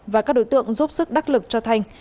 và các đối tượng giúp sức đắc lực cho thành